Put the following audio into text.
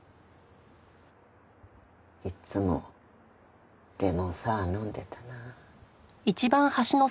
いつもレモンサワー飲んでたな。